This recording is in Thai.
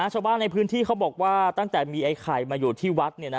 ชาวบ้านในพื้นที่เขาบอกว่าตั้งแต่มีไอ้ไข่มาอยู่ที่วัด